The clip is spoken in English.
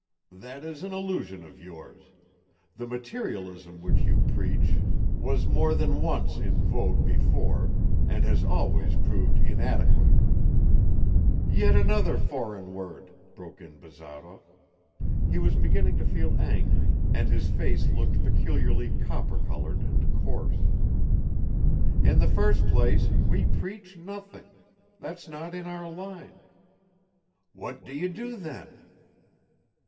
That is an illusion of yours. The materialism which you preach, was more than once in vogue before and has always proved inadequate ...." "Yet another foreign word!" broke in Bazarov. He was beginning to feel angry and his face looked peculiarly copper colored and coarse. "In the first place, we preach nothing; that's not in our line ..." "What do you do, then?"